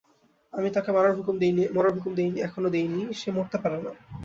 আমি তাকে মরার হুকুম এখনও দেই নি, সে মরতে পারে না।